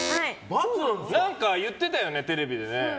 何か言ってたよね、テレビでね。